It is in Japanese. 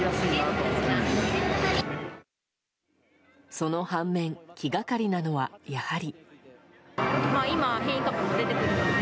その反面、気がかりなのはやはり。